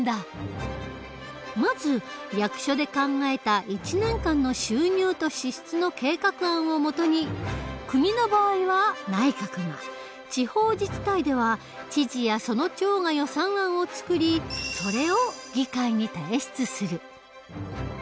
まず役所で考えた１年間の収入と支出の計画案を基に国の場合は内閣が地方自治体では知事やその長が予算案を作りそれを議会に提出する。